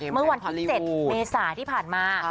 เมื่อวันที่๗เมษาที่ผ่านมา